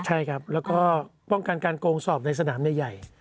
ใช่ครับแล้วก็ป้องกันการโกงสอบในสนามใหญ่